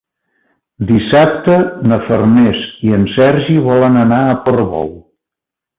Dissabte na Farners i en Sergi volen anar a Portbou.